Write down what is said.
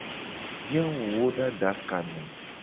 Zi awuwo do adaka me.